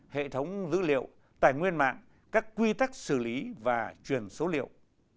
hệ thống dữ liệu tài nguyên mạng các quy tắc xử lý và truyền số liệu